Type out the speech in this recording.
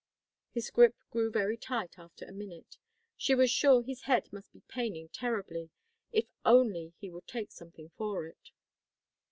His grip grew very tight after a minute. She was sure his head must be paining terribly. If only he would take something for it!